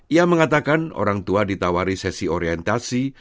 ia mengatakan orang tua ditawari sesi orientasi